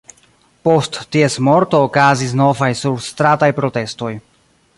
Post ties morto okazis novaj surstrataj protestoj.